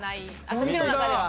私の中では。